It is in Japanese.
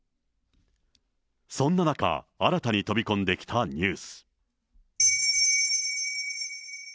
そんな中、新たに飛び込んできたニュース。